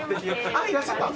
あっいらっしゃった。